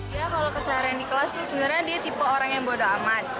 dia kalau keseharian di kelas itu sebenarnya dia tipe orang yang bodo amat